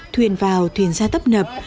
thuyền vào thuyền ra tấp nập